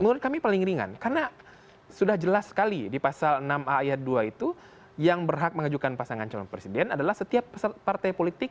menurut kami paling ringan karena sudah jelas sekali di pasal enam a ayat dua itu yang berhak mengajukan pasangan calon presiden adalah setiap partai politik